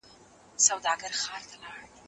شتمن خلک هم کولای سي، چي په وليمه کي ګډون وکړي.